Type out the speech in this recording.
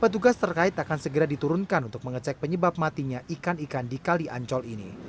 petugas terkait akan segera diturunkan untuk mengecek penyebab matinya ikan ikan di kali ancol ini